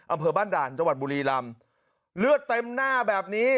อำเภอบ้านด่านจังหวัดบุรีรำเลือดเต็มหน้าแบบนี้